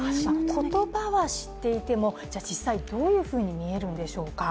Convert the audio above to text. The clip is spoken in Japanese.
言葉は知っていても、実際どういうふうに見えるんでしょうか。